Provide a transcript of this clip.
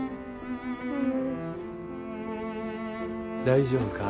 大丈夫か？